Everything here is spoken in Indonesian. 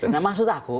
nah maksud aku